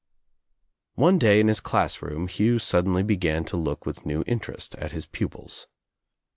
One day in his class room Hugh suddenly began to look with new interest at his pupils.